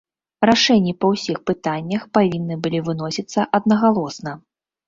Рашэнні па ўсіх пытаннях павінны былі выносіцца аднагалосна.